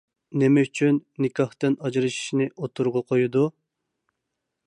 نېمە ئۈچۈن نىكاھتىن ئاجرىشىشنى ئوتتۇرىغا قويىدۇ؟